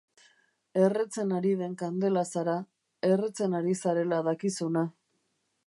Erretzen ari den kandela zara, erretzen ari zarela dakizuna.